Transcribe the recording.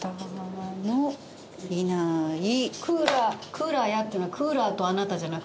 「クーラーや」っていうのはクーラーとあなたじゃなくて。